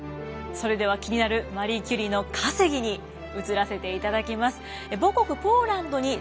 それでは気になるマリー・キュリーの稼ぎに移らせていただきます。